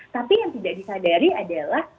tapi yang tidak disadari adalah